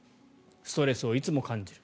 ストレスをいつも感じる。